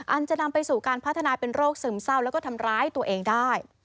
อาจจะนำไปสู่การพัฒนาเป็นโรคซึมเศร้าแล้วก็ทำร้ายตัวเองได้